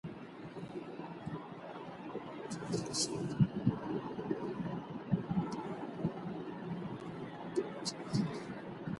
په لاس خط لیکل د یو کار د بشپړولو ژمنتیا ښیي.